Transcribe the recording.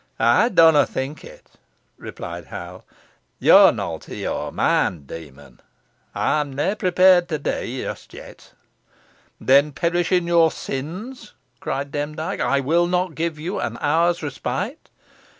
"Ey dunna think it," replied Hal. "Yo'n alter your moind. Do, mon. Ey'm nah prepared to dee just yet." "Then perish in your sins," cried Demdike, "I will not give you an hour's respite."